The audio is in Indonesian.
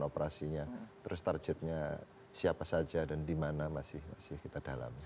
operasinya terus targetnya siapa saja dan dimana masih kita dalam